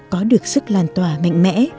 có được sức làn tỏa mạnh mẽ